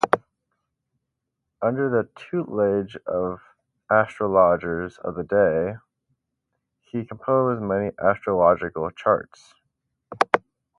Under the tutelage of astrologers of the day, he composed many astrological charts.